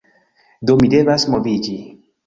Do, mi devas moviĝi